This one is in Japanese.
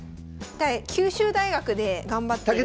九州大学で頑張ってる。